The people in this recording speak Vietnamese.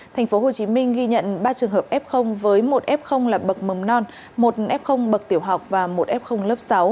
tp hcm ghi nhận ba trường hợp f với một f là bậc mầm non một f bậc tiểu học và một f sáu